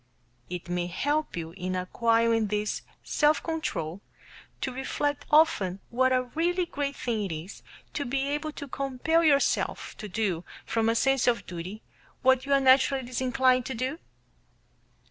It may help you in acquiring this self control to reflect often what a really great thing it is to be able to compel yourself to do from a sense of duty what you are naturally disinclined to do?